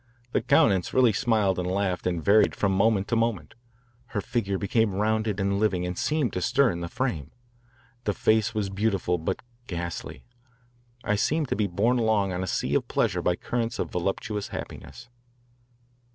The countenance really smiled and laughed and varied from moment to moment. Her figure became rounded and living and seemed to stir in the frame. The face was beautiful but ghastly. I seemed to be borne along on a sea of pleasure by currents of voluptuous happiness.